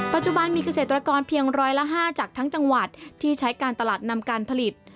ปัจจุบันมีเกษตรกรเพียงร้อยละ๕จากทั้งจังหวัดที่ใช้การตลาดนำการผลิต